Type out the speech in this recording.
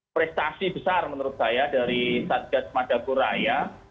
prestasi besar menurut saya dari satgat madaguraya